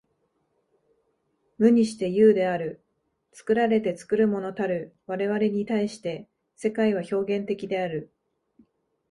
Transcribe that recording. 無にして有である。作られて作るものたる我々に対して、世界は表現的である。